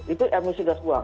itu emisi gas buang